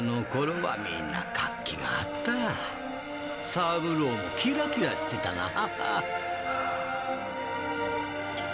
サブローもキラキラしてたなぁ。